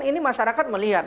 ini masyarakat melihat